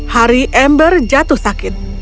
hari amber jatuh sakit